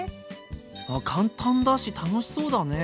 あ簡単だし楽しそうだね。